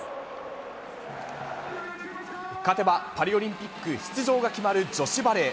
勝てばパリオリンピック出場が決まる女子バレー。